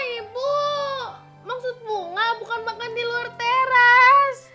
ibu maksud bunga bukan makan di luar teras